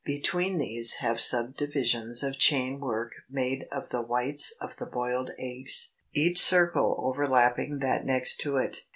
Between these have subdivisions of chain work made of the whites of the boiled eggs, each circle overlapping that next to it.